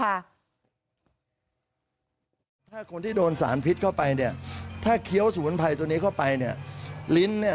ถ้าคนที่โดนสารพิษเข้าไปถ้าเคี้ยวสมุนไพรตัวนี้เข้าไป